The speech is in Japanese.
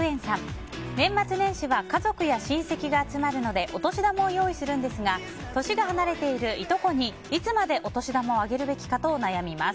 年末年始は家族や親戚が集まるのでお年玉を用意するんですが年が離れているいとこにいつまでお年玉をあげるべきかと悩みます。